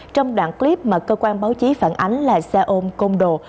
trong đoạn clip mà cơ quan báo chí phản ánh là xe ôm côn đồ